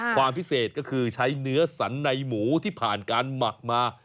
ความพิเศษก็คือใช้เนื้อสันในหมูที่ผ่านการหมักมา